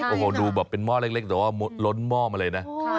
โอ้โหดูแบบเป็นหม้อเล็กแต่ว่าล้นหม้อมาเลยนะ